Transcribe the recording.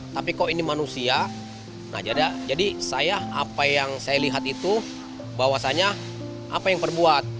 tapi kok ini manusia jadi apa yang saya lihat itu bahwasannya apa yang perbuat